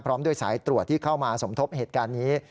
ด้วยสายตรวจที่เข้ามาสมทบเหตุการณ์นี้